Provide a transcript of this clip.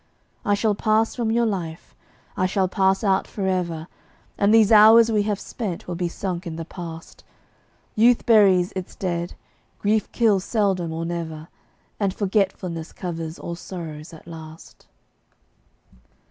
I shall pass from your life I shall pass out forever, And these hours we have spent will be sunk in the past. Youth buries its dead; grief kills seldom or never, And forgetfulness covers all sorrows at last.